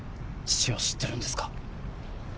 父を知ってるんですか？